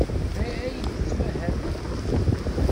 Da ay tettmahalem?